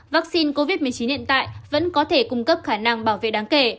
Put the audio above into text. vaccine covid một mươi chín hiện tại vẫn có thể cung cấp khả năng bảo vệ đáng kể